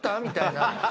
みたいな。